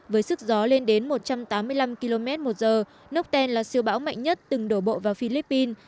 với sức gió lên đến một trăm tám mươi năm km một giờ nước tan là siêu bão mạnh nhất từng đổ bộ vào philippines